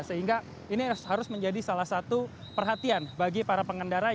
sehingga ini harus menjadi salah satu perhatian bagi para pengendara